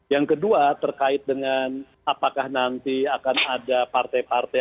yang kedua terkait dengan apakah nanti akan ada partai partai